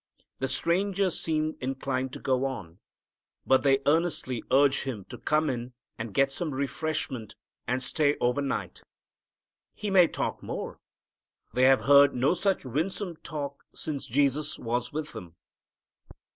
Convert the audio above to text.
The Stranger seemed inclined to go on. But they earnestly urge Him to come in and get some refreshment and stay over night. He may talk more. They have heard no such winsome talk since Jesus was with them.